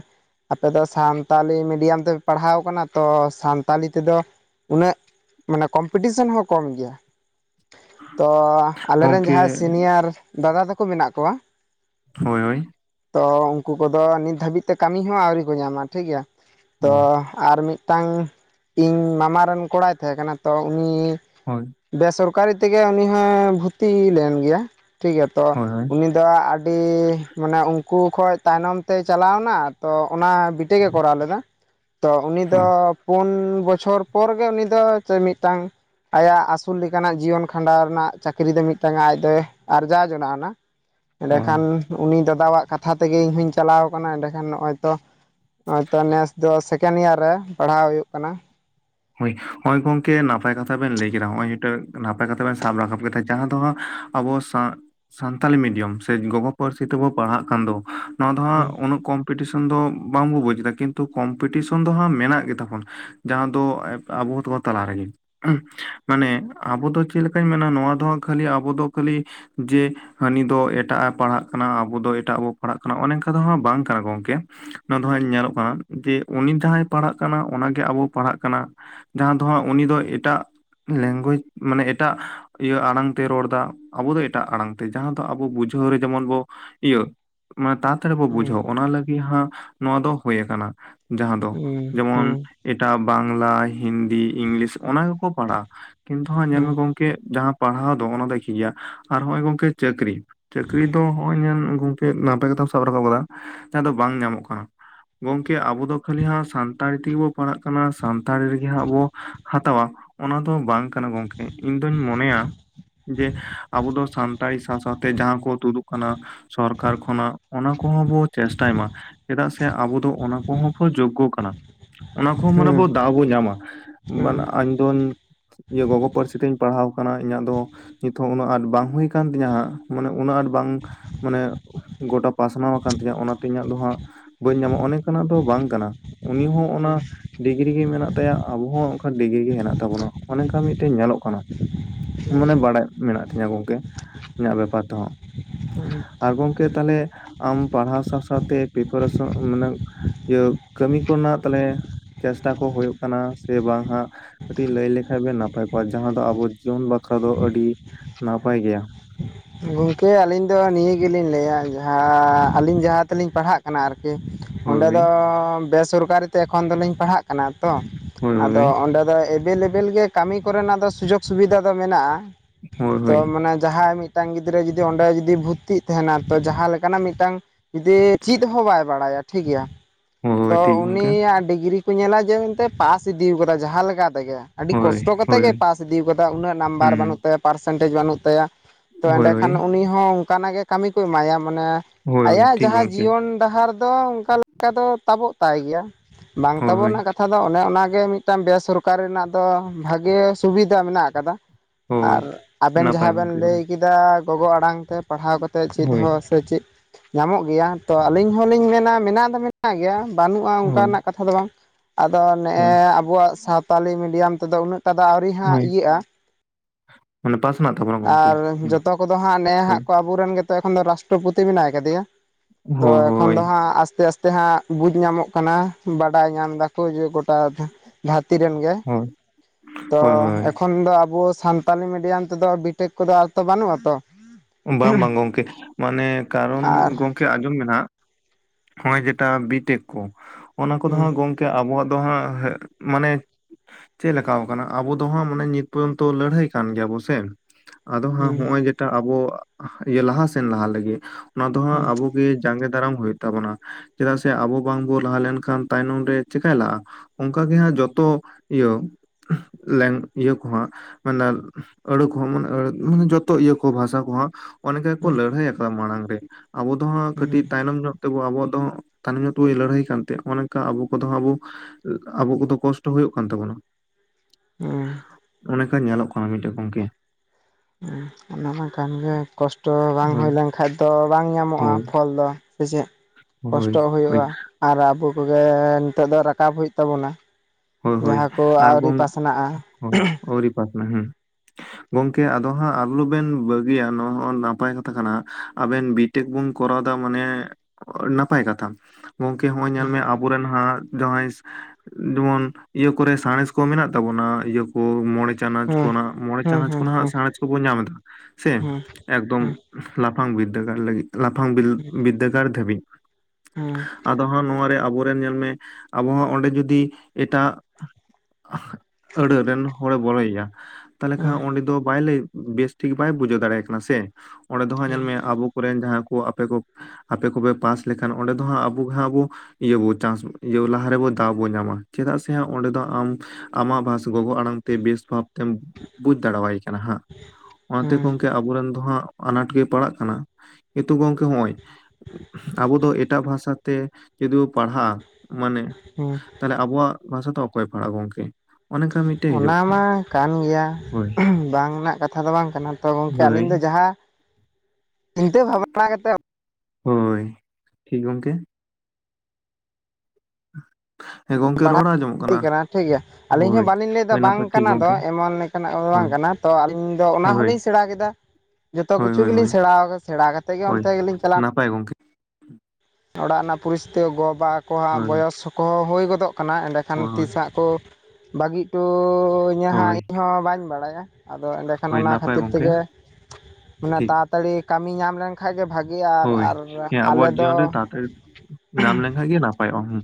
ᱟᱯᱮᱫᱚ ᱥᱟᱱᱛᱟᱞᱤ ᱢᱤᱰᱤᱭᱟᱢ ᱛᱮᱯᱮ ᱯᱟᱲᱦᱟᱣ ᱠᱟᱱᱟ ᱛᱚ ᱥᱟᱱᱛᱟᱞᱤ ᱛᱮᱫᱚ ᱩᱱᱟᱹᱜ ᱢᱟᱱᱮ ᱠᱚᱢᱯᱤᱴᱤᱥᱮᱱ ᱦᱚᱸ ᱠᱚᱢ ᱜᱮᱭᱟ ᱾ ᱛᱚ ᱟᱞᱮᱨᱮᱱ ᱜᱚᱝᱠᱮ ᱡᱟᱦᱟᱸᱭ ᱥᱤᱱᱤᱭᱟᱨ ᱫᱟᱼᱫᱟ ᱛᱟᱠᱚ ᱢᱮᱱᱟᱜ ᱠᱚᱣᱟ ᱾ ᱦᱳᱭ ᱦᱳᱭ ᱛᱚ ᱩᱱᱠᱩ ᱠᱚᱫᱚ ᱱᱤᱛ ᱫᱷᱟᱹᱵᱤᱡ ᱛᱮ ᱠᱟᱹᱢᱤ ᱦᱚᱸ ᱟᱹᱣᱨᱤ ᱠᱚ ᱧᱟᱢᱟ ᱴᱷᱤᱠᱜᱮᱭᱟ ᱛᱚ ᱦᱳᱭ ᱟᱨ ᱢᱤᱫᱴᱟᱝ ᱤᱧ ᱢᱟᱢᱟ ᱨᱮᱱ ᱠᱚᱲᱟᱭ ᱛᱟᱦᱮᱸ ᱠᱟᱱᱟ ᱛᱚ ᱩᱱᱤ ᱦᱳᱭ ᱵᱮᱥᱚᱨᱠᱟᱨᱤ ᱛᱮᱜᱮ ᱩᱱᱤ ᱦᱚᱸᱭ ᱵᱷᱩᱛᱤ ᱞᱮᱱ ᱜᱮᱭᱟ ᱴᱷᱤᱠ ᱜᱮᱭᱟ ᱛᱚ ᱦᱳᱭ ᱩᱱᱤ ᱫᱚ ᱟᱹᱰᱤ ᱢᱟᱱᱮ ᱩᱱᱠᱩ ᱠᱷᱚᱡ ᱛᱟᱭᱱᱚᱢ ᱛᱮᱭ ᱪᱟᱞᱟᱣᱱᱟ ᱛᱚ ᱚᱱᱟ ᱵᱤᱴᱮᱠ ᱮ ᱠᱚᱨᱟᱣ ᱞᱮᱫᱟ ᱛᱚ ᱩᱱᱤ ᱫᱚ ᱦᱳᱭ ᱯᱩᱱ ᱵᱚᱪᱷᱚᱨ ᱯᱚᱨ ᱜᱮ ᱩᱱᱤ ᱫᱚ ᱢᱤᱫᱴᱟᱝ ᱟᱭᱟᱜ ᱟᱹᱥᱩᱞ ᱞᱮᱠᱟᱱᱟᱜ ᱡᱤᱭᱚᱱ ᱠᱷᱟᱸᱰᱟᱣ ᱨᱮᱱᱟᱜ ᱪᱟᱹᱠᱨᱤ ᱫᱚ ᱢᱤᱫᱴᱟᱝ ᱟᱡ ᱫᱚᱭ ᱟᱨᱡᱟᱣ ᱡᱚᱱᱟᱜ ᱟᱱᱟ ᱾ ᱦᱳᱭ ᱮᱸᱰᱮᱠᱷᱟᱱ ᱩᱱᱤ ᱫᱟᱫᱟᱣᱟᱜ ᱠᱟᱛᱷᱟ ᱛᱮᱜᱮ ᱤᱧ ᱦᱚᱧ ᱪᱟᱞᱟᱣ ᱠᱟᱱᱟ ᱮᱸᱰᱮᱠᱷᱟᱱ ᱱᱚᱜᱼᱚᱭ ᱛᱚ ᱱᱚᱜᱚᱭᱛᱚ ᱱᱮᱥ ᱫᱚ ᱥᱮᱠᱮᱱ ᱤᱭᱟᱨ ᱨᱮ ᱯᱟᱲᱦᱟᱣ ᱦᱩᱭᱩᱜ ᱠᱟᱱᱟ ᱦᱳᱭ ᱦᱚᱜᱼᱭ ᱜᱚᱝᱠᱮ ᱱᱟᱯᱟᱭ ᱠᱟᱛᱷᱟ ᱵᱮᱱ ᱞᱟᱹᱭ ᱠᱮᱫᱟ ᱱᱚᱜᱼᱚᱭ ᱢᱤᱫᱴᱮᱱ ᱱᱟᱯᱟᱭ ᱠᱟᱛᱷᱟ ᱵᱮᱱ ᱥᱟᱵ ᱨᱟᱠᱟᱵ ᱠᱮᱫᱟ ᱡᱟᱦᱟᱸ ᱫᱚ ᱟᱵᱚ ᱥᱟᱱᱛᱟᱞᱤ ᱢᱤᱰᱤᱭᱟᱢ ᱥᱮ ᱜᱚᱜᱚ ᱯᱟᱹᱨᱥᱤ ᱛᱮᱵᱚ ᱯᱟᱲᱦᱟᱜ ᱠᱟᱱ ᱫᱚ ᱱᱚᱣᱟ ᱫᱚ ᱦᱟᱸ ᱦᱩᱸ ᱩᱱᱟᱹᱜ ᱠᱚᱢ ᱠᱚᱢᱯᱤᱴᱤᱥᱮᱱ ᱫᱚ ᱵᱟᱝᱵᱚ ᱵᱩᱡᱽᱫᱟ ᱠᱤᱱᱛᱩ ᱠᱚᱢᱯᱤᱴᱤᱥᱮᱱ ᱫᱚ ᱦᱟᱸᱜ ᱢᱮᱱᱟᱜ ᱜᱮᱛᱟᱵᱚᱱᱟ ᱡᱟᱦᱟᱸ ᱫᱚ ᱟᱵᱚ ᱠᱚ ᱛᱟᱞᱟ ᱨᱮᱜᱮ ᱢᱟᱱᱮ ᱟᱵᱚ ᱫᱚ ᱪᱮᱫ ᱞᱮᱠᱟᱧ ᱢᱮᱱᱟ ᱱᱚᱣᱟ ᱫᱚ ᱦᱟᱸᱜ ᱠᱷᱟᱹᱞᱤ ᱟᱵᱚ ᱫᱚ ᱠᱷᱟᱹᱞᱤ ᱡᱮ ᱦᱟᱹᱱᱤ ᱫᱚ ᱮᱴᱟᱜᱼ ᱮ ᱯᱟᱲᱦᱟᱜ ᱠᱟᱱᱟ ᱟᱵᱚ ᱫᱚ ᱮᱴᱟᱜ ᱟ ᱵᱚ ᱯᱟᱲᱦᱟᱜ ᱠᱟᱱᱟ ᱚᱱᱮ ᱚᱱᱠᱟ ᱫᱚ ᱵᱟᱝ ᱠᱟᱱᱟ ᱜᱚᱢᱠᱮ᱾ ᱱᱚᱣᱟ ᱫᱚ ᱦᱟᱸᱜ ᱧᱮᱞᱚᱜ ᱠᱟᱱᱟ ᱡᱮ ᱩᱱᱤ ᱡᱟᱦᱟᱸᱭ ᱯᱟᱲᱦᱟᱜ ᱠᱟᱱᱟ ᱚᱱᱟᱜᱮ ᱟᱵᱚ ᱯᱟᱲᱦᱟᱜ ᱠᱟᱱᱟ ᱾ ᱡᱟᱦᱟᱸ ᱫᱚ ᱦᱟᱸᱜ ᱩᱱᱤ ᱫᱚ ᱮᱴᱟᱜ ᱞᱮᱝᱜᱩᱭᱮᱡᱽ ᱢᱟᱱᱮ ᱮᱴᱟᱜ ᱟᱲᱟᱝ ᱛᱮ ᱨᱚᱲᱫᱟ ᱟᱵᱚ ᱫᱚ ᱮᱴᱟᱜ ᱟᱲᱟᱝ ᱛᱮ ᱡᱟᱦᱟᱸ ᱫᱚ ᱟᱵᱚ ᱵᱩᱡᱷᱟᱹᱣ ᱨᱮ ᱡᱮᱢᱚᱱ ᱵᱚ ᱤᱭᱟᱹ ᱢᱟ ᱛᱟᱲᱟᱛᱟᱲᱤ ᱵᱚ ᱦᱩᱸ ᱵᱩᱡᱷᱟᱹᱣ ᱚᱱᱟᱞᱟᱜᱤ ᱦᱸ ᱱᱚᱣᱟ ᱫᱚ ᱦᱳᱭ ᱟᱠᱟᱱᱟ ᱡᱟᱦᱟᱸ ᱫᱚ ᱦᱩᱸ ᱡᱮᱢᱚᱱ ᱦᱩᱸ ᱮᱴᱟᱜ ᱵᱟᱝᱞᱟ ᱦᱤᱱᱫᱤ ᱤᱝᱞᱤᱥ ᱚᱱᱟ ᱠᱚᱠᱚ ᱯᱟᱲᱦᱟᱜᱼᱟ ᱠᱤᱱᱛᱩ ᱦᱟᱸᱜ ᱧᱮᱞ ᱦᱩᱸ ᱢᱮ ᱜᱚᱢᱠᱮ ᱡᱟᱦᱟᱸ ᱯᱟᱲᱦᱟᱣ ᱫᱚ ᱵᱩᱱ ᱚᱱᱟ ᱫᱚ ᱮᱠᱤ ᱜᱮᱭᱟ ᱟᱨ ᱱᱚᱜᱼᱭ ᱜᱚᱢᱠᱮ ᱪᱟᱹᱠᱨᱤ ᱪᱟᱹᱠᱨᱤ ᱫᱚ ᱦᱚᱜᱼᱚᱭ ᱧᱮᱞ ᱜᱚᱢᱠᱮ [unintelligible] ᱠᱟᱛᱮᱢ ᱥᱟᱵ ᱨᱟᱠᱟᱵ ᱠᱟᱫᱟ ᱡᱟᱦᱟᱸ ᱫᱚ ᱵᱟᱝ ᱧᱟᱢᱚᱜ ᱠᱟᱱᱟ ᱜᱚᱝᱠᱮ ᱟᱵᱚ ᱫᱚ ᱠᱷᱟᱹᱞᱤ ᱦᱟᱸᱜ ᱥᱟᱱᱛᱟᱲᱤ ᱛᱮᱜᱮᱵᱚ ᱯᱟᱲᱦᱟᱜ ᱠᱟᱱᱟ ᱥᱟᱱᱛᱟᱲᱤ [unintelligible] ᱵᱚ ᱦᱟᱛᱟᱣᱟ ᱚᱱᱟ ᱫᱚ ᱵᱟᱝ ᱠᱟᱱᱟ ᱜᱚᱢᱠᱮ ᱤᱧ ᱫᱩᱧ ᱢᱚᱱᱮᱭᱟ ᱡᱮ ᱟᱵᱚ ᱫᱚ ᱥᱟᱱᱛᱟᱲᱤ ᱥᱟᱶ ᱥᱟᱶᱛᱮ ᱡᱟᱦᱟᱸ ᱠᱚ ᱛᱩᱫᱩᱜ ᱠᱟᱱᱟ ᱥᱚᱨᱠᱟᱨ ᱠᱷᱚᱱᱟᱜ ᱚᱱᱟ ᱠᱚᱦᱚᱸ ᱵᱚ ᱪᱮᱥᱴᱟᱭ ᱢᱟ ᱪᱮᱫᱟᱜ ᱥᱮ ᱟᱵᱚ ᱫᱚ ᱚᱱᱟ ᱠᱚᱦᱚᱸ ᱵᱚ [unintelligible] ᱠᱟᱱᱟ ᱚᱱᱟ ᱠᱚᱦᱚᱸ ᱢᱟᱱᱮ ᱵᱚ ᱫᱟᱣ ᱵᱚ ᱧᱟᱢᱟ ᱦᱩᱸ ᱵᱟᱝ ᱦᱩᱸ ᱤᱧ ᱫᱚ ᱜᱚᱜᱚ ᱯᱟᱹᱨᱥᱤ ᱛᱤᱧ ᱯᱟᱲᱦᱟᱣ ᱠᱟᱱᱟ ᱤᱧᱟᱹᱜ ᱫᱚ ᱱᱤᱛᱚ ᱩᱱᱟᱹᱜ ᱟᱸᱴ ᱵᱟᱝ ᱦᱩᱭ ᱠᱟᱱ ᱛᱤᱧᱟᱹ ᱦᱟᱸᱜ ᱢᱟᱱᱮ ᱩᱱᱟᱹᱜ ᱟᱸᱴ ᱵᱟᱝ ᱢᱟᱱᱮ ᱜᱚᱴᱟ ᱯᱟᱥᱱᱟᱣ ᱟᱠᱟᱱ ᱛᱤᱧᱟᱹ ᱚᱱᱟᱛᱮ ᱤᱧᱟᱹᱜ ᱫᱚ ᱦᱟᱸᱜ ᱵᱟᱹᱧ ᱧᱟᱢᱟ ᱚᱱᱮ ᱠᱟᱱᱟ ᱫᱚ ᱵᱟᱝ ᱠᱟᱱᱟ ᱩᱱᱤ ᱦᱚᱸ ᱚᱱᱟ ᱰᱤᱜᱽᱨᱤ ᱜᱮ ᱢᱮᱱᱟᱜ ᱛᱟᱭᱟ ᱟᱵᱚ ᱦᱚᱸ ᱚᱱᱠᱟ ᱰᱤᱜᱽᱨᱤ ᱜᱮ ᱦᱮᱱᱟᱜ ᱛᱟᱵᱚᱱᱟ ᱚᱱᱮ ᱚᱝᱠᱟ ᱢᱤᱫᱴᱮᱱ ᱧᱮᱞᱚᱜ ᱠᱟᱱᱟ ᱢᱟᱱᱮ ᱵᱟᱲᱟᱭ ᱢᱮᱱᱟᱜ ᱛᱤᱧᱟᱹ ᱜᱚᱝᱠᱮ ᱤᱧᱟᱹᱜ ᱵᱮᱯᱟᱨ ᱛᱮᱦᱚᱸ ᱦᱩᱸ ᱟᱨ ᱜᱚᱢᱠᱮ ᱛᱟᱦᱞᱮ ᱟᱢ ᱯᱟᱲᱦᱟᱣ ᱥᱟᱶ ᱥᱟᱶᱛᱮ ᱯᱨᱮᱯᱟᱨᱮᱥᱚ ᱢᱟᱱᱮ ᱤᱭᱟᱹ ᱠᱟᱹᱢᱤ ᱠᱚᱨᱮᱱᱟᱜ ᱛᱟᱦᱞᱮ ᱪᱮᱥᱴᱟ ᱠᱚ ᱦᱳᱭᱳᱜ ᱠᱟᱱᱟ ᱥᱮ ᱵᱟᱝ ᱦᱟᱜ ᱠᱟᱹᱴᱤᱡ ᱞᱟᱹᱭ ᱞᱮᱠᱷᱟᱱᱡ ᱵᱚᱱ ᱱᱟᱯᱟᱭ ᱠᱚᱜᱼᱟ ᱡᱟᱦᱟᱸ ᱫᱚ ᱟᱵᱚ ᱡᱤᱭᱚᱱ ᱵᱟᱠᱷᱨᱟ ᱫᱚ ᱟᱹᱰᱤ ᱱᱟᱯᱟᱭ ᱜᱮᱭᱟ ᱜᱚᱢᱠᱮ ᱟᱹᱞᱤᱧ ᱫᱚ ᱱᱤᱭᱟᱹ ᱜᱮᱞᱤᱧ ᱞᱟᱹᱭᱟ ᱡᱟᱦᱟᱸ ᱟᱹᱞᱤᱧ ᱡᱟᱦᱟᱸ ᱛᱮᱞᱤᱧ ᱯᱟᱲᱦᱟᱜ ᱠᱟᱱᱟ ᱟᱨᱠᱤ ᱚᱸᱰᱮ ᱫᱚ ᱦᱳᱭ ᱵᱮᱥᱚᱨᱠᱟᱨᱤ ᱛᱮ ᱮᱠᱷᱚᱱ ᱫᱚᱞᱤᱧ ᱯᱟᱲᱦᱟᱜ ᱠᱟᱱᱟ ᱛᱚ ᱦᱳᱭ ᱟᱫᱚ ᱦᱳᱭ ᱚᱸᱰᱮ ᱫᱚ ᱮᱵᱮᱞ ᱮᱵᱮᱞ ᱜᱮ ᱠᱟᱹᱢᱤ ᱠᱚᱨᱮᱱᱟᱜ ᱫᱚ ᱥᱩᱡᱳᱜᱽ ᱥᱩᱵᱤᱫᱷᱟ ᱫᱚ ᱢᱮᱱᱟᱜᱼᱟ ᱦᱳᱭ ᱛᱚ ᱢᱟᱱᱮ ᱡᱟᱦᱟᱸ ᱢᱤᱫ ᱢᱤᱫᱴᱟᱝ ᱜᱤᱫᱽᱨᱟᱹ ᱡᱩᱫᱤ ᱚᱸᱰᱮ ᱡᱩᱫᱤ ᱵᱷᱚᱨᱛᱤᱜ ᱛᱟᱦᱮᱱᱟ ᱛᱚ ᱡᱟᱦᱟᱸ ᱞᱮᱠᱟᱱᱟᱜ ᱢᱤᱫᱴᱟᱝ ᱡᱩᱫᱤ ᱪᱤᱫ ᱦᱚᱸ ᱵᱟᱭ ᱵᱟᱲᱟᱭᱟ ᱴᱷᱤᱠ ᱜᱮᱭᱟ ᱦᱳᱭ ᱛᱚ ᱦᱳᱭ ᱴᱷᱤᱠ ᱜᱚᱝᱠᱮ ᱩᱱᱤᱭᱟᱜ ᱰᱤᱜᱽᱨᱤ ᱠᱚ ᱧᱮᱞᱟ ᱡᱮ ᱮᱱᱛᱮ ᱯᱟᱥ ᱤᱫᱤ ᱠᱟᱫᱟ ᱡᱟᱦᱟᱸ ᱞᱮᱠᱟ ᱛᱮᱜᱮ ᱟᱹᱰᱤ ᱦᱳᱭ ᱠᱚᱥᱴᱚ ᱠᱟᱛᱮᱜ ᱦᱳᱭ ᱜᱮᱭ ᱯᱟᱥ ᱤᱫᱤ ᱠᱟᱫᱟ ᱩᱱᱟᱹᱜ ᱱᱟᱢᱵᱟᱨ ᱦᱩᱸ ᱵᱟᱹᱱᱩᱜ ᱛᱟᱭᱟ ᱯᱟᱨᱥᱮᱱᱴᱮᱡᱽ ᱵᱟᱹᱱᱩᱜ ᱛᱟᱭᱟ ᱛᱚ ᱦᱳᱭ ᱦᱳᱭ ᱮᱸᱰᱮᱠᱷᱟᱱ ᱩᱱᱤ ᱦᱚᱸ ᱚᱱᱠᱟᱱᱟᱜ ᱜᱮ ᱠᱟᱹᱢᱤ ᱠᱚ ᱮᱢᱟᱭᱟ ᱢᱟᱱᱮ ᱦᱳᱭ ᱦᱳᱭ ᱟᱭᱟᱜ ᱴᱷᱤᱠ ᱡᱟᱦᱟᱸ ᱜᱚᱝᱠᱮ ᱡᱤᱭᱚᱱ ᱰᱟᱦᱟᱨ ᱫᱚ ᱚᱱᱠᱟ ᱞᱮᱠᱟ ᱫᱚ ᱛᱟᱵᱚᱜ ᱛᱟᱭ ᱜᱮᱭᱟ ᱵᱟᱝ ᱦᱳᱭ ᱛᱟᱵᱚᱜ ᱦᱳᱭ ᱨᱮᱱᱟᱜ ᱠᱟᱛᱷᱟ ᱠᱟᱛᱷᱟ ᱫᱚ ᱚᱱᱮ ᱚᱱᱟ ᱜᱮ ᱢᱤᱫᱴᱟᱝ ᱵᱮᱥᱚᱨᱠᱟᱨᱤ ᱨᱮᱱᱟᱜ ᱫᱚ ᱵᱷᱟᱜᱮ ᱥᱩᱵᱤᱫᱷᱟ ᱢᱮᱱᱟᱜ ᱠᱟᱫᱟ ᱦᱳᱭ ᱟᱨ ᱟᱵᱮᱱ ᱱᱟᱯᱟᱭ ᱡᱟᱦᱟᱸ ᱵᱮᱱ ᱜᱚᱝᱠᱮ ᱞᱟᱹᱭ ᱦᱳᱭ ᱠᱮᱫᱼ ᱪᱮᱫᱟ ᱜᱚᱜᱚ ᱟᱲᱟᱝ ᱛᱮ ᱯᱟᱲᱦᱟᱣ ᱠᱟᱛᱮᱫ ᱪᱮᱫ ᱦᱚᱸ ᱥᱮ ᱪᱮᱫ ᱧᱟᱢᱚᱜ ᱜᱮᱭᱟ ᱛᱚ ᱟᱹᱞᱤᱧ ᱦᱚᱸᱞᱤᱧ ᱢᱮᱱᱟ ᱢᱮᱱᱟᱜ ᱫᱚ ᱢᱮᱱᱟᱜ ᱜᱮᱭᱟ ᱵᱟᱹᱱᱩᱜᱼᱟ ᱦᱳᱭ ᱚᱱᱠᱟᱱᱟᱜ ᱠᱟᱛᱷᱟ ᱫᱚ ᱵᱟᱝ ᱟᱫᱚ ᱱᱮᱜᱼ ᱦᱳᱭ ᱟᱵᱚᱣᱟᱜ ᱥᱟᱶᱛᱟᱞᱤ ᱢᱤᱰᱤᱭᱟᱢ ᱛᱮᱫᱚ ᱩᱱᱟᱹᱜ ᱛᱟᱫᱟ ᱟᱹᱣᱨᱤ ᱦᱟᱸᱜ ᱤᱭᱟᱹᱜᱼᱟ ᱢᱟᱱ ᱯᱟᱥᱱᱟ ᱛᱟᱵᱱ ᱟᱨ ᱡᱚᱛᱚ ᱠᱚᱫᱚ ᱦᱟᱸᱜ ᱱᱮ ᱦᱟᱸᱜ ᱠᱚ ᱟᱵᱚᱨᱮᱱ ᱜᱮᱛᱚ ᱮᱠᱷᱚᱱ ᱫᱚ ᱨᱟᱥᱴᱨᱚᱯᱚᱛᱤ ᱢᱮᱱᱟᱭ ᱠᱟᱫᱮᱭᱟ ᱛᱚ ᱮᱠᱷᱚᱱ ᱦᱳᱭ ᱫᱚ ᱦᱟᱸᱜ ᱟᱥᱛᱮ ᱟᱥᱛ- ᱛᱮᱦᱟᱸᱜ ᱵᱩᱡᱽ ᱧᱟᱢᱚᱜ ᱠᱟᱱᱟ ᱵᱟᱰᱟᱭ ᱧᱟᱢ ᱫᱟᱠᱚ ᱡᱮ ᱜᱚᱴᱟ ᱫᱷᱟᱹᱨᱛᱤ ᱨᱮᱱ ᱜᱮ ᱦᱳᱭ ᱛᱚ ᱦᱳᱭ ᱦᱳᱭ ᱮᱠᱷᱚᱱ ᱫᱚ ᱟᱵᱚ ᱥᱟᱱᱛᱟᱞᱤ ᱢᱤᱰᱤᱭᱟᱢ ᱫᱚ ᱵᱤᱴᱮᱠ ᱠᱚᱫᱚ ᱟᱨᱛᱚ ᱵᱟᱹᱱᱩᱜ ᱟᱛᱚ ᱵᱟᱝ ᱵᱟᱝ ᱜᱚᱝᱠᱮ ᱢᱟᱱᱮ ᱠᱟᱨᱚᱱ ᱟᱨ ᱜᱚᱝᱠᱮ ᱟᱸᱡᱚᱢ ᱢᱮ ᱱᱟᱦᱟᱜ ᱱᱚᱜᱼᱚᱭ ᱡᱮᱴᱟ ᱵᱤᱴᱮᱠ ᱠᱚ ᱚᱱᱟ ᱠᱚᱫᱚ ᱦᱩᱸ ᱦᱟᱸᱜ ᱜᱚᱢᱠᱮ ᱟᱵᱚᱣᱟᱜ ᱫᱚ ᱦᱟᱸᱜ ᱢᱟᱱᱮ ᱪᱮᱫᱞᱮᱠᱟ ᱟᱠᱟᱱᱟ ᱟᱵᱚ ᱫᱚ ᱦᱟᱸᱜ ᱢᱟᱱᱮ ᱱᱤᱛ ᱯᱚᱨᱡᱚᱱᱛᱚ ᱞᱟᱹᱲᱦᱟᱹᱭ ᱠᱟᱱ ᱜᱮᱭᱟᱵᱚ ᱥᱮ ᱟᱫᱚ ᱦᱟᱸ ᱦᱩᱸ ᱦᱚᱸᱜᱼᱚᱭ ᱡᱮᱴᱟ ᱟᱵᱚ ᱞᱟᱦᱟᱥᱮᱱ ᱞᱟᱦᱟ ᱞᱟᱹᱜᱤᱫ ᱚᱱᱟ ᱫᱚ ᱦᱟᱸᱜ ᱦᱩᱸ ᱟᱵᱚ ᱟᱵᱩ ᱜᱮ ᱡᱟᱸᱜᱮ ᱫᱟᱨᱟᱢ ᱦᱩᱭᱩᱜ ᱛᱟᱵᱚᱱᱟ ᱪᱮᱫᱟᱜ ᱥᱮ ᱟᱵᱚ ᱵᱟᱝᱵᱚᱱ ᱞᱟᱦᱟ ᱞᱮᱱᱠᱷᱟᱱ ᱛᱟᱭᱱᱚᱢ ᱨᱮ ᱪᱤᱠᱟᱭ ᱞᱟᱦᱟᱜᱼᱟ ᱚᱱᱠᱟᱜᱮ ᱦᱟᱸᱜ ᱡᱚᱛᱚ ᱤᱭᱟᱹ ᱞᱮᱝ ᱤᱭᱟᱹ ᱠᱚᱦᱟᱸᱜ ᱢᱟᱱᱮ [unintelligible] ᱢᱟᱱᱮ ᱡᱚᱛᱚ ᱤᱭᱟᱹ ᱠᱚ ᱵᱷᱟᱥᱟ ᱠᱚᱦᱚᱸ ᱚᱱᱮᱠᱟᱠᱚ ᱦᱩᱸ ᱞᱟᱹᱲᱦᱟᱹᱭ ᱟᱠᱟᱫᱟ ᱢᱟᱲᱟᱝ ᱨᱮ ᱟᱵᱚ ᱫᱚᱦᱟᱸᱜ ᱠᱟᱹᱴᱤᱡ ᱦᱩᱸ ᱛᱟᱭᱱᱚᱢ ᱧᱚᱜ ᱟᱵᱚᱣᱟᱜ ᱫᱚ ᱛᱟᱭᱱᱚᱢ ᱧᱚᱜ ᱞᱟᱹᱲᱦᱟᱹᱭ ᱠᱟᱱᱛᱮ ᱚᱱᱝᱠᱟ ᱟᱵᱚ ᱠᱚᱫᱚ ᱟᱵᱚ ᱟᱵᱚ ᱠᱚᱫᱚ ᱠᱚᱥᱴᱚ ᱦᱩᱭᱩᱜ ᱠᱟᱱ ᱛᱟᱵᱚᱱᱟ ᱦᱮᱸ ᱚᱱᱮᱠᱟ ᱧᱮᱞᱚᱜ ᱠᱟᱱᱟ ᱢᱤᱫᱴᱮᱱ ᱜᱚᱝᱠᱮ ᱦᱮᱸ ᱚᱱᱟ ᱢᱟ ᱠᱟᱱ ᱜᱮ ᱠᱚᱥᱴᱚ ᱠᱚᱥᱴᱚ ᱵᱟᱝ ᱦᱩᱭ ᱦᱳᱭ ᱞᱮᱱ ᱠᱷᱟᱡ ᱫᱚ ᱵᱟᱝ ᱧᱟᱢᱚᱜᱼᱟ ᱦᱳᱭ ᱯᱷᱚᱞ ᱫᱚ ᱥᱮ ᱪᱮᱫ ᱦᱳᱭ ᱠᱚᱥᱴᱚᱜ ᱦᱳᱭ ᱦᱩᱭᱩᱜᱼᱟ ᱟᱨ ᱟᱵᱚ ᱠᱚᱜᱮ ᱱᱤᱛᱚᱜ ᱫᱚ ᱨᱟᱠᱟᱵ ᱦᱩᱭᱩᱜ ᱛᱟᱵᱚᱱᱟ ᱦᱚᱭ ᱦᱚᱭ ᱡᱟᱦᱟᱸ ᱠᱚ ᱟᱨ ᱟᱹᱣᱨᱤ ᱜᱚᱝ ᱯᱟᱥᱱᱟᱜᱼᱟ ᱜᱚᱝᱠᱮ ᱟᱫᱚ ᱦᱟᱸᱜ ᱟᱞᱚᱵᱮᱱ ᱵᱟᱹᱜᱤᱭᱟ ᱱᱚᱣᱟ ᱱᱟᱯᱟᱭ ᱠᱟᱛᱷᱟ ᱠᱟᱱᱟ ᱟᱵᱮᱱ ᱵᱤ ᱵᱤᱴᱮᱠ ᱵᱚᱱ ᱠᱚᱨᱟᱣᱮᱫᱟ ᱢᱟᱱᱮ ᱱᱟᱯᱟᱭ ᱠᱟᱛᱷᱟ ᱜᱚᱝᱠᱮ ᱦᱚᱸᱜᱚᱭ ᱦᱩᱸ ᱧᱮᱞᱢᱮ ᱟᱵᱚᱨᱮᱱ ᱦᱟᱸᱜ ᱡᱟᱦᱟᱸᱭ ᱡᱮᱢᱚᱱ ᱤᱭᱟᱹ ᱠᱚᱨᱮ ᱥᱟᱬᱮᱥ ᱠᱚ ᱢᱮᱱᱟᱜ ᱛᱟᱵᱚᱱᱟ ᱤᱭᱟᱹ ᱠᱚ ᱢᱚᱬᱮ ᱪᱟᱱᱟᱪ ᱦᱩᱸ ᱠᱷᱚᱱᱟᱜ ᱢᱚᱬᱮ ᱦᱩᱸ ᱪᱟᱱᱟᱪ ᱦᱩᱸ ᱠᱷᱚᱱᱟᱜ ᱦᱩᱸ ᱥᱟᱬᱮᱥ ᱠᱚᱵᱚᱱ ᱧᱟᱢ ᱮᱫᱟ ᱥᱮ ᱦᱩᱸ ᱮᱠᱫᱚᱢ ᱞᱟᱯᱷᱟᱝ ᱵᱤᱫᱽᱫᱟᱹᱜᱟᱲ ᱞᱟᱹᱜᱤᱫ ᱞᱟᱯᱷᱟᱝ ᱵᱤᱫᱽᱫᱟᱹᱜᱟᱲ ᱫᱷᱟᱹᱵᱤᱡ ᱦᱩᱸ ᱟᱫᱚ ᱦᱟᱸᱜ ᱱᱚᱣᱟᱨᱮ ᱟᱵᱚᱨᱮᱱ ᱧᱮᱞ ᱢᱮ ᱟᱵᱚ ᱦᱚᱸ ᱚᱸᱰᱮ ᱡᱩᱫᱤ ᱮᱴᱟᱜ ᱟᱹᱲᱟᱹ ᱨᱮᱱ ᱦᱚᱲᱮ ᱵᱚᱞᱚᱮᱭᱟ ᱛᱟᱦᱞᱮ ᱦᱩᱸ ᱠᱷᱟᱱ ᱚᱸᱰᱮ ᱫᱚ ᱵᱟᱭ ᱞᱟᱹᱭ ᱵᱮᱥᱴᱷᱤᱠ ᱵᱟᱭ ᱵᱩᱡᱷᱟᱹᱣ ᱫᱟᱲᱮᱭᱟᱜ ᱠᱟᱱᱟ ᱥᱮ ᱚᱸᱰᱮ ᱫᱚ ᱦᱟᱸᱜ ᱦᱩᱸ ᱧᱮᱞ ᱢᱮ ᱟᱵᱚ ᱠᱚᱨᱮᱱ ᱡᱟᱦᱟᱸ ᱠᱚ ᱟᱮ ᱠᱚ ᱟᱯᱮ ᱠᱚᱯᱮ ᱯᱟᱥ ᱞᱮᱠᱷᱟᱱ ᱚᱸᱰᱮ ᱫᱚ ᱦᱟᱸᱜ ᱟᱵᱚ ᱜᱮ ᱦᱟᱸᱜ ᱟ ᱵᱚ ᱤᱭᱟᱹᱵᱚ ᱪᱟᱥ ᱤᱭᱟᱹ ᱞᱟᱦᱟᱨᱮᱵᱚ ᱫᱟᱣ ᱵᱚ ᱧᱟᱢᱟ ᱪᱮᱫᱟᱜ ᱥᱮ ᱚᱸᱰᱮ ᱫᱚ ᱟᱢ ᱟᱢᱟᱜ ᱵᱷᱟᱥ ᱜᱚᱜᱚ ᱟᱲᱟᱝ ᱛᱮ ᱵᱮᱥ ᱵᱷᱟᱵ ᱛᱮᱢ ᱵᱩᱡ ᱫᱟᱲᱮᱣᱟᱭ ᱠᱟᱱᱟ ᱦᱟᱸᱜ ᱚᱱᱟᱛᱮ ᱦᱩᱸ ᱜᱚᱝᱠᱮ ᱟᱵ ᱟᱵᱚᱨᱮᱱ ᱫᱚᱦᱟᱸᱜ ᱟᱱᱟᱴ ᱜᱮ ᱯᱟᱲᱟᱜ ᱠᱟᱱᱟ ᱠᱤᱱᱛᱩ ᱜᱚᱢᱠᱮ ᱱᱚᱜᱼᱚᱭ ᱟᱵᱚ ᱫᱚ ᱮᱴᱟᱜ ᱵᱷᱟᱥᱟᱛᱮ ᱡᱩᱫᱤ ᱵᱚ ᱯᱟᱲᱦᱟᱜᱼᱟ ᱢᱟᱱᱮ ᱦᱩᱸ ᱛᱟᱦᱞᱮ ᱟᱵᱚᱣᱟᱜ ᱵᱷᱟᱥᱟ ᱫᱚ ᱚᱠᱚᱭᱮ ᱯᱟᱲᱦᱟᱜᱼᱟ ᱜᱚᱝᱠᱮ ᱚᱱᱮᱠᱟ ᱢᱤᱫᱴᱮᱱ ᱚᱱᱟ ᱢᱟ ᱠᱟᱱ ᱜᱮᱭᱟ ᱵᱟᱝ ᱨᱮᱱᱟᱜ ᱠᱟᱛᱷᱟ ᱫᱚ ᱵᱟᱝ ᱠᱟᱱᱟ ᱛᱚ ᱜᱚᱢᱠᱮ ᱦᱳᱭ ᱟᱹᱞᱤᱧ ᱫᱚ ᱡᱟᱦᱟᱸ ᱪᱤᱱᱛᱟᱹ ᱵᱷᱟᱵᱽᱱᱟ ᱠᱟᱛᱮᱫ ᱦᱚᱭ ᱴᱷᱤᱠ ᱜᱚᱢᱠᱮ ᱦᱮᱸ ᱜᱚᱝᱠᱮ ᱨᱚᱲ ᱟᱡᱚᱢ ᱦᱩᱭ ᱠᱟᱱᱟ ᱴᱷᱤᱠ ᱜᱮᱭᱟ ᱟᱹᱞᱤᱧ ᱦᱚᱸ ᱵᱟᱹᱞᱤᱧ ᱞᱟᱹᱭᱮᱫᱟ ᱵᱟᱝ ᱱᱟᱯᱟᱭ ᱴᱷᱤᱠ ᱠᱟᱱᱟ ᱫᱚ ᱜᱚᱝᱠᱮ ᱮᱢᱚᱱ ᱞᱮᱠᱟᱱᱟᱜ ᱵᱟᱝ ᱦᱳᱭ ᱠᱟᱱᱟ ᱛᱚ ᱟᱞᱤᱧ ᱫᱚ ᱚᱱᱟ ᱦᱳᱭ ᱦᱚᱞᱤᱧ ᱥᱮᱬᱟ ᱠᱮᱫᱟ ᱡᱷᱚᱛᱚ ᱦᱳᱭ ᱠᱤᱪᱷᱩ ᱦᱳᱭ ᱜᱮᱞᱤᱧ ᱦᱳᱭ ᱥᱮᱲᱟ ᱟᱠᱟ ᱥᱮᱬᱟ ᱠᱟᱛᱮᱮᱫ ᱜᱮ ᱚᱱᱛᱮ ᱜᱮᱮᱞᱞᱤᱧ ᱪᱟᱞᱟᱜ ᱱᱟᱯᱟᱭ ᱦᱳᱭ ᱜᱚᱝᱠᱮ᱾ ᱚᱲᱟᱜ ᱨᱮᱱᱟᱜ ᱯᱚᱨᱤᱥᱛᱷᱤᱛᱤ ᱜᱚᱼᱵᱟ ᱠᱚ ᱦᱟᱸᱜ ᱦᱳᱭ ᱦᱳᱭ ᱵᱚᱭᱚᱥ ᱠᱚᱦᱚᱸ ᱦᱩᱭ ᱜᱚᱫᱚᱜ ᱠᱟᱱᱟ ᱮᱸᱰᱮᱠᱷᱟᱱ ᱦᱳᱭ ᱛᱤᱥ ᱦᱟᱸᱜ ᱠᱚ ᱵᱟᱹᱜᱤ ᱦᱚᱴᱚᱧᱟᱹ ᱦᱟᱸᱜ ᱦᱳᱭ ᱤᱧᱦ ᱵᱟᱹᱧ ᱵᱟᱲᱟᱭᱟ ᱟᱫᱚ ᱮᱸᱰᱮᱠᱷᱟᱱ ᱦᱳᱭ ᱚᱱᱟ ᱱᱟᱯᱟᱭ ᱠᱷᱟᱹᱛᱤᱨ ᱜᱚᱝᱠᱮ ᱛᱮᱜᱮ, ᱢᱟᱱᱮ ᱴᱷᱤᱠ ᱛᱟᱲᱟᱛᱟᱲᱤ ᱠᱟᱹᱢᱤ ᱧᱟᱢ ᱞᱮᱱᱠᱷᱟᱡ ᱜᱮ ᱵᱷᱟᱜᱮᱼᱟ ᱟᱨ ᱦᱳᱭ ᱟᱨ ᱦᱮᱸ ᱟᱞᱮ ᱟᱵᱚᱣᱟᱜ ᱫᱚ ᱡᱤᱭᱚᱱ ᱨᱮ ᱛᱟᱲᱟᱛᱟᱲᱤ ᱧᱟᱢ ᱞᱮᱱᱠᱷᱟᱱ ᱜᱮ ᱱᱟᱯᱟᱭᱚᱜᱼᱟ ᱦᱮᱸ᱾